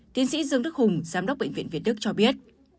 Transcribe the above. tiến sĩ dương đức hùng giám đốc bệnh viện việt đức cho biết